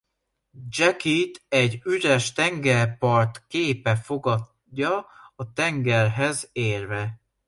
Jacket egy üres tengerpart képe fogadja a tengerhez érve.